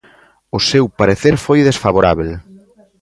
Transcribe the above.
O seu parecer foi desfavorábel.